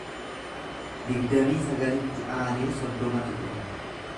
Digdamii sagalitti aanee soddomatu dhufa.